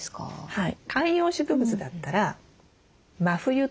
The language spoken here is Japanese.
はい。